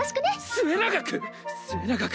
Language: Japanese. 末永く⁉末永く。